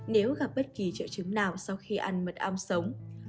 nếu gặp bất kỳ triệu chứng nào sau khi ăn mật ong sống